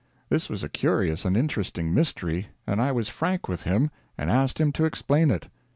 This was a curious and interesting mystery, and I was frank with him, and asked him to explain it.